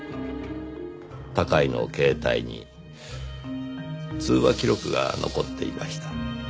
高井の携帯に通話記録が残っていました。